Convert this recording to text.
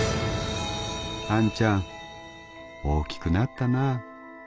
『あんちゃん大きくなったなぁ。